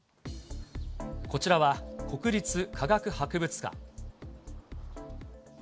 こちらは、国立科学博物館。